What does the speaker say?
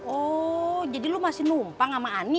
oh jadi lu masih numpang sama ani